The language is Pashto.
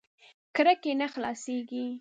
کړکۍ نه خلاصېږي .